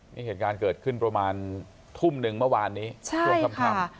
นี่เหตุการณ์เกิดขึ้นประมาณทุ่มหนึ่งเมื่อวานนี้ช่วงค่ำ